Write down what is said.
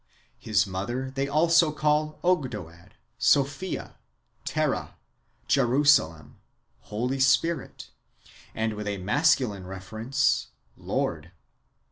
This mother they also call Ogdoad, Sophia, Terra, Jerusalem, Holy Spirit, and, with a masculine reference, Lord.